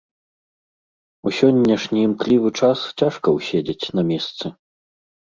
У сённяшні імклівы час цяжка ўседзець на месцы.